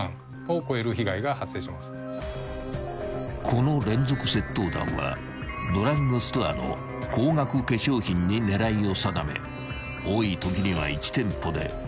［この連続窃盗団はドラッグストアの高額化粧品に狙いを定め多いときには］